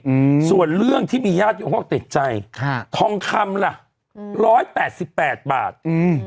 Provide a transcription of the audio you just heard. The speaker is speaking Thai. อืมส่วนเรื่องที่มีญาติโยมเขาก็ติดใจค่ะทองคำล่ะอืมร้อยแปดสิบแปดบาทอืม